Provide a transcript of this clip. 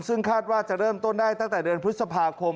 ซึ่งคาดว่าจะเริ่มต้นได้ตั้งแต่เดือนพฤษภาคม